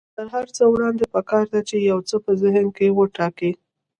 تر هر څه وړاندې پکار ده چې يو څه په ذهن کې وټاکئ.